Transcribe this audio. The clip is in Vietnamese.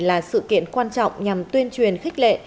là sự kiện quan trọng nhằm tuyên truyền khích lệ